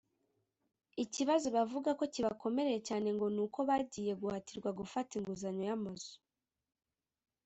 Ikibazo bavuga ko kibakomereye cyane ngo ni uko bagiye guhatirwa gufata inguzanyo y’amazu